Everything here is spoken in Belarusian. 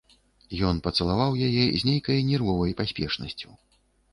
Ён пацалаваў яе з нейкай нервовай паспешнасцю.